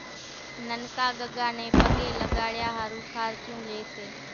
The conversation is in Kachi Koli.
ننڪا ڳڳا نين پڳين لڳڙيا ۿارُو خارچون لئي سي،